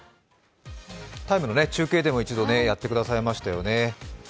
「ＴＨＥＴＩＭＥ，」の中継でも一度やってくださいましたよね。